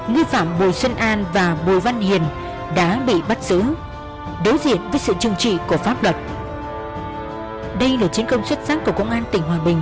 nghi phạm bùi xuân an và bùi văn hiền đã bị bắt giữ đối diện với sự trừng trị của pháp luật